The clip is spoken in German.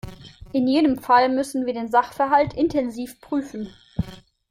In jedem Fall müssen wir den Sachverhalt intensiv prüfen.